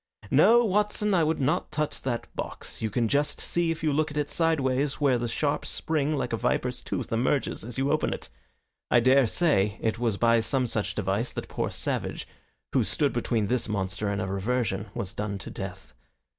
No, Watson, I would not touch that box. You can just see if you look at it sideways where the sharp spring like a viper's tooth emerges as you open it. I dare say it was by some such device that poor Savage, who stood between this monster and a reversion, was done to death.